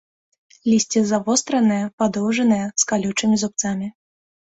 Лісце завостранае, падоўжанае, з калючымі зубцамі.